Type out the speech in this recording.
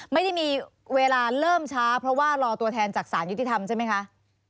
ไม่ได้มีเวลาเริ่มช้าเพราะว่ารอตัวแทนจากสารยุติธรรมใช่ไหมคะ